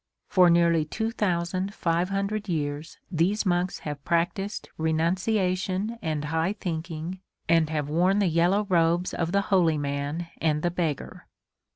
For nearly two thousand five hundred years these monks have practised renunciation and high thinking and have worn the yellow robes of the holy man and the beggar.